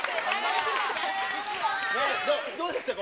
どうでしたか？